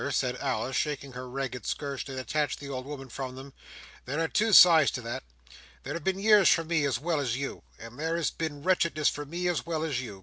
said Alice, shaking her ragged skirts to detach the old woman from them: "there are two sides to that. There have been years for me as well as you, and there has been wretchedness for me as well as you.